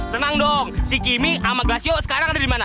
tenang dong si kimi sama glasio sekarang ada dimana